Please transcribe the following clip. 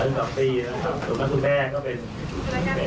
ซึ่งเป็นบริกันเหมือนกัน